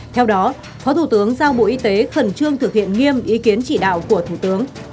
theo đó phó thủ tướng giao bộ y tế khẩn trương thực hiện nghiêm ý kiến chỉ đạo của thủ tướng